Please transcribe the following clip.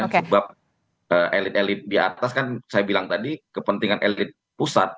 sebab elit elit di atas kan saya bilang tadi kepentingan elit pusat